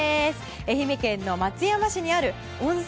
愛媛県の松山市にある温泉。